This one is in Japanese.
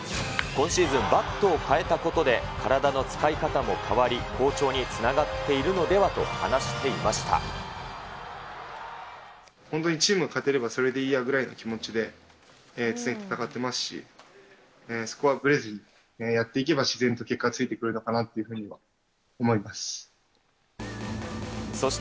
今シーズン、バットを変えたことで体の使い方も変わり、好調につながっている本当にチームが勝てればそれでいいやぐらいな気持ちで、常に戦ってますし、そこはぶれずにやっていけば自然と結果はついてくるのかなというふうには思いますし。